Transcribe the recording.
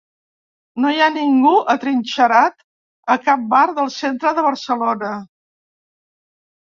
No hi ha ningú atrinxerat a cap bar del centre de Barcelona.